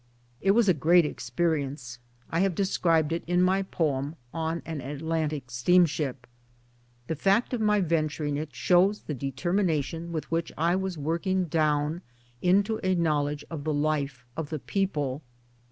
It was a great experience. I have described it in my poem " On an Atlantic Steamship." The fact of my venturing it shows the determination with which I was working down into a knowledge of the life of the people.